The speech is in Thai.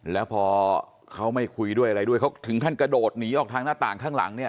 แล้วพอเขาไม่คุยด้วยอะไรด้วยเขาถึงขั้นกระโดดหนีออกทางหน้าต่างข้างหลังเนี่ย